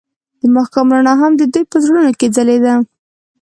د ماښام رڼا هم د دوی په زړونو کې ځلېده.